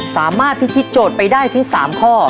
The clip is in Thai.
สามารถพิธีโจทย์ไปได้ทั้ง๓ข้อ